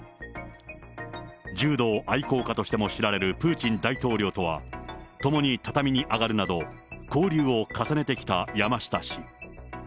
柔道愛好家としても知られるプーチン大統領とは、共に畳に上がるなど、交流を重ねてきた山下氏。